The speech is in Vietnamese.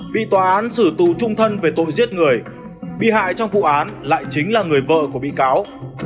bị tòa án xử tù trung thân về tội giết người bị hại trong vụ án lại chính là người vợ của bị cáo